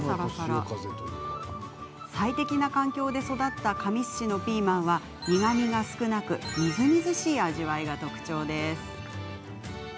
最適な環境で育った神栖市のピーマンは苦みが少なくみずみずしい味わいが特徴です。